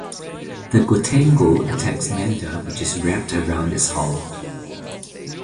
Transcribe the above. The "Gotengo" attacks Manda which is wrapped around its hull.